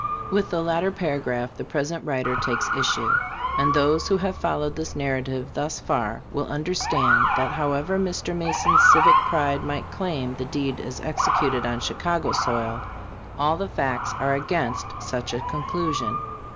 With the latter paragraph the present writer takes issue ; and those who have followed this narrative thus far will understand that however Mr. Ma son's civic pride might claim the deed as executed on Chicago's soil, all the facts are against such a conclusion.